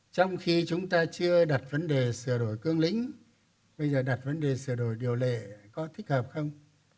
trong khi chúng ta chưa đặt vấn đề sửa đổi cương lĩnh bây giờ đặt vấn đề sửa đổi điều lệ có thích hợp không